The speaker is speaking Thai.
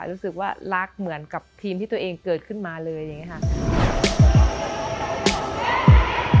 รู้สึกว่ารักเหมือนกับทีมที่ตัวเองเกิดขึ้นมาเลยอย่างนี้ค่ะ